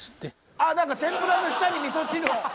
あっなんか天ぷらの下に味噌汁を。